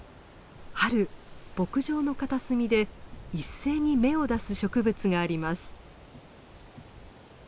春牧場の片隅で一斉に芽を出す植物があります。